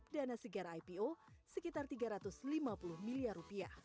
dana segar ipo sekitar rp tiga ratus lima puluh miliar